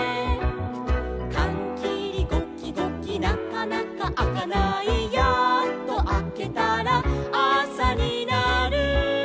「かんきりゴキゴキなかなかあかない」「やっとあけたらあさになる」